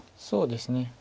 そうですね。